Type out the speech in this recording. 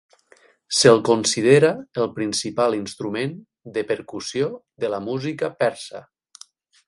Se"l considera el principal instrument de percussió de la música persa.